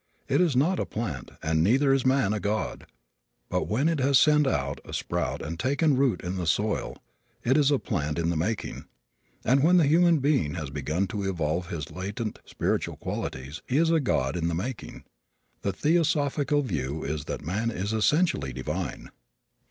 It is not a plant and neither is man a god; but when it has sent out a sprout and taken root in the soil it is a plant in the making; and when the human being has begun to evolve his latent spiritual qualities he is a god in the making. The theosophical view is that man is essentially divine.